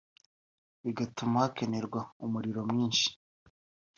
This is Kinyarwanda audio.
bigatuma hakenerwa umuriro mwinshi